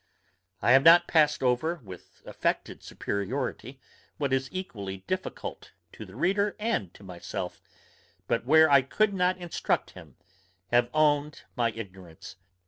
I have not passed over, with affected superiority, what is equally difficult to the reader and to myself, but where I could not instruct him, have owned my ignorance.